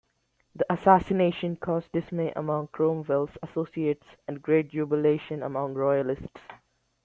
The assassination caused dismay among Cromwell's associates and great jubilation among royalists.